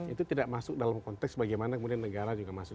itu tidak masuk dalam konteks bagaimana kemudian negara juga masuk